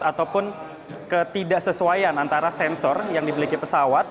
ataupun ketidaksesuaian antara sensor yang dibeliki pesawat